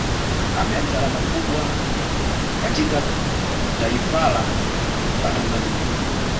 Ameacha alama kubwa katika Taifala la Tanzania